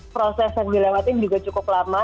proses yang dilewatin juga cukup lama